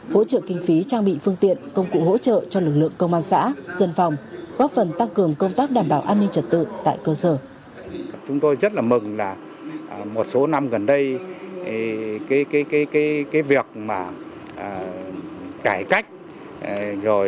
hỗ trợ kinh phí trang bị phương tiện công cụ hỗ trợ cho lực lượng công an xã dân phòng góp phần tăng cường công tác đảm bảo an ninh trật tự tại cơ sở